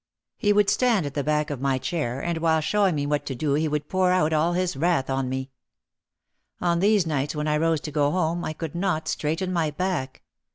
He would stand at the back of my chair OUT OF THE SHADOW 131 and while showing me what to do he would pour out all his wrath on me. On these nights when I rose to go home I could not straighten my back.